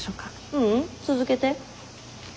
ううん続けて。